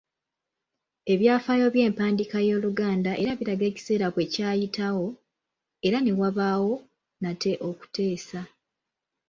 Ebyafaayo by’empandiika y’oluganda era biraga ekiseera bwe kyayitawo, ne wabaawo nate okuteesa .